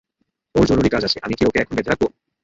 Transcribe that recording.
ওর জরুরী কাজ আছে, আমি কী ওকে এখন বেঁধে রাখবো?